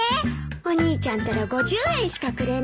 お兄ちゃんったら５０円しかくれないのよ。